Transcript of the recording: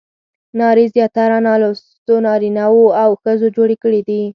نارې زیاتره نالوستو نارینه وو او ښځو جوړې کړې دي.